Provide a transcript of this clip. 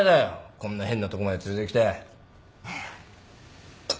こんな変なとこまで連れてきて。